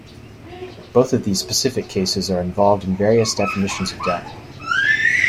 Both of these specific cases are involved in various definitions of death.